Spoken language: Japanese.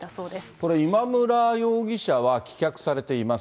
これ、今村容疑者は棄却されています。